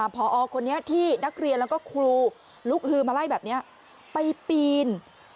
พอโรคจิต